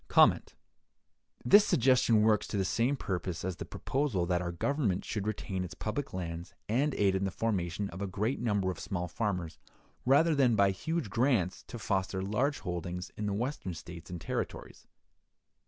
This suggestion works to the same purpose as the proposal that our Government should retain its public lands and aid in the formation of a great number of small farmers, rather than, by huge grants, to foster large holdings in the Western States and Territories.